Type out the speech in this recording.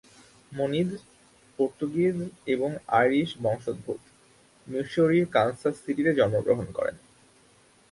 Moniz, Portuguese এবং Irish বংশোদ্ভূত, মিসৌরির কানসাস সিটিতে জন্মগ্রহণ করেন।